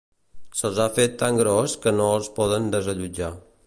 Se'ls ha fet tan gros que no els poden desallotjar